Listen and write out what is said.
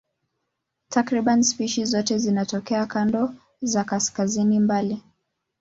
Takriban spishi zote zinatokea kanda za kaskazini mbali.